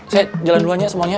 cek jalan duluan semuanya